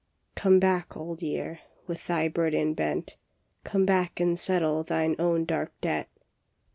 " Come back, Old Year, with thy burden bent. Come back and settle thine own dark debt."